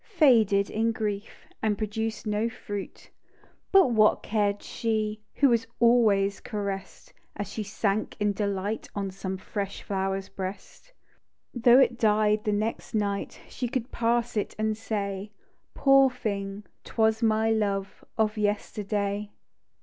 Faded in grief. And produced no fruit. But what cared she ? Who was always caress'd, As she sank in delight On some fresh dower's breast. Though it died the next night. She could pass it, and say, " Poor thing — 'twas my love Of yesterday."